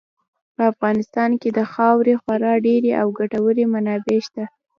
په افغانستان کې د خاورې خورا ډېرې او ګټورې منابع شته.